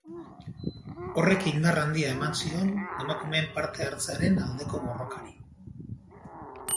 Horrek indar handia eman zion emakumeen parte hartzearen aldeko borrokari.